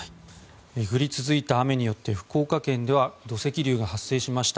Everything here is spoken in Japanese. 降り続いた雨によって福岡県では土石流が発生しました。